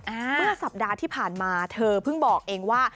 เมื่อสัปดาห์ที่ผ่านมาเธอเพิ่งบอกเองว่า